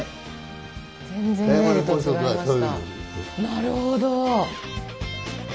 なるほど。